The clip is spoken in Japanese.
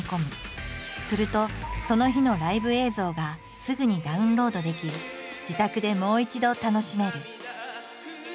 するとその日のライブ映像がすぐにダウンロードでき自宅でもう一度楽しめる。